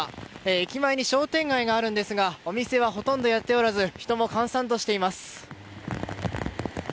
駅前に商店街があるんですがお店はほとんどやっておらず人も閑散としています。